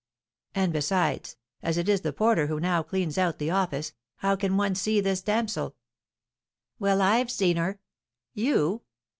"And besides, as it is the porter who now cleans out the office, how can one see this damsel?" "Well, I've seen her." "You?"